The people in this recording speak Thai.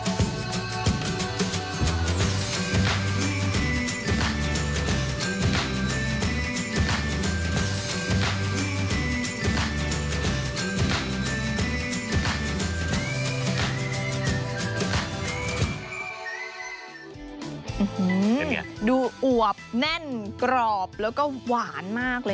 อื้อหือดูอวบแน่นกรอบแล้วก็หวานมากเลยนะคุณ